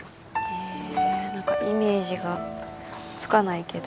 え何かイメージがつかないけど。